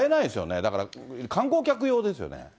だから観光客用ですよね。